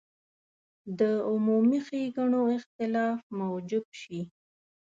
د عمومي ښېګڼو اختلاف موجب شي.